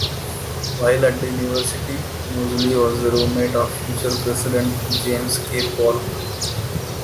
While at the university, Moseley was the roommate of future president James K. Polk.